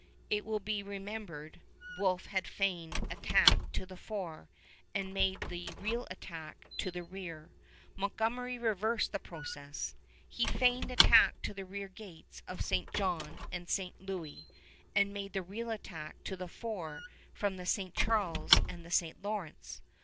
It will be remembered, Wolfe had feigned attack to the fore, and made the real attack to the rear. Montgomery reversed the process. He feigned attack to the rear gates of St. John and St. Louis, and made the real attack to the fore from the St. Charles and the St. Lawrence.